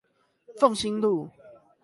鳳新路